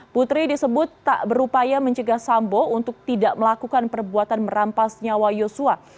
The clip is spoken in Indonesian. putri disebut tak berupaya mencegah sambo untuk tidak melakukan perbuatan merampas nyawa yosua